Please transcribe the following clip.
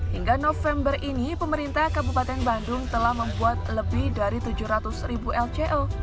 hingga november ini pemerintah kabupaten bandung telah membuat lebih dari tujuh ratus ribu lco